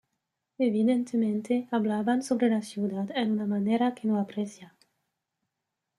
Evidentemente hablaban sobre la ciudad en una manera que no aprecia.